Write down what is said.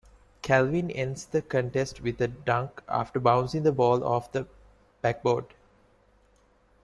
Calvin ends the contest with a dunk after bouncing the ball off the backboard.